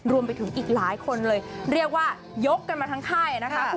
รวมไปถึงอีกหลายคนเลยเรียกว่ายกกันมาทั้งค่ายนะคะ